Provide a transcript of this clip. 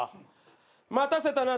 待たせたな。